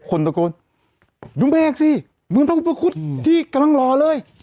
คนตะโกนดุ้งแพรกสิเมืองพระอุปกรุษที่กำลังหล่อเลย